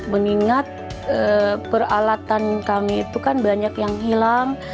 mengingat peralatan kami itu kan banyak yang hilang